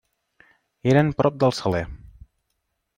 Eren prop del Saler.